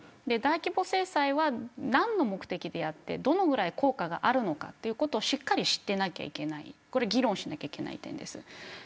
大規模制裁は何の目的でやってどのぐらい効果があるのかということをしっかり知っていなければいけない議論しなければいけないんです。